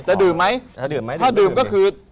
จะดื่มไหมถ้าดื่มก็คือ